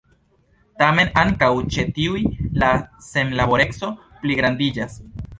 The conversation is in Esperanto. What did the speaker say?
Tamen ankaŭ ĉe tiuj la senlaboreco pligrandiĝas.